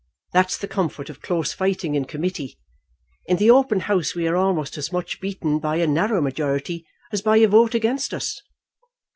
That's the comfort of close fighting in committee. In the open House we are almost as much beaten by a narrow majority as by a vote against us."